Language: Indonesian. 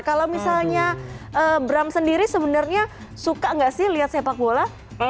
kalau misalnya bram sendiri sebenarnya suka nggak sih lihat sepak bola